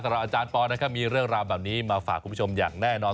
อาจารย์ปอลนะครับมีเรื่องราวแบบนี้มาฝากคุณผู้ชมอย่างแน่นอน